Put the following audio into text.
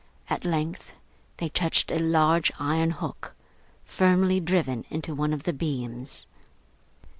At length, they touched a large iron hook, firmly driven into one of the beams.